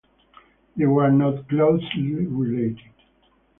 They were not closely related.